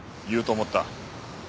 言うと思った。